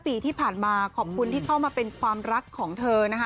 ปีที่ผ่านมาขอบคุณที่เข้ามาเป็นความรักของเธอนะคะ